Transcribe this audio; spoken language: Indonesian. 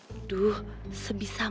aduh sebisa mu